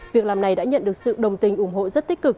việc làm này đã nhận được sự đồng tình ủng hộ rất tích cực